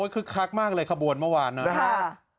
คักมากเลยขบวนเมื่อวานนะครับ